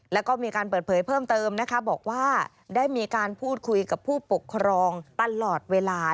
แล้วก็มีการเปิดเผยเพิ่มเติมนะคะบอกว่าได้มีการพูดคุยกับผู้ปกครองตลอดเวลา